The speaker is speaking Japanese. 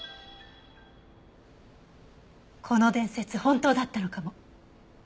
この伝説本当だったのかも。